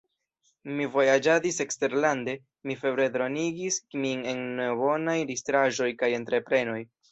Mi vojaĝadis eksterlande; mi febre dronigis min en nebonaj distraĵoj kaj entreprenoj.